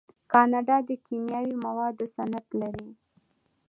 کاناډا د کیمیاوي موادو صنعت لري.